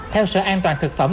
theo sở an toàn thực phẩm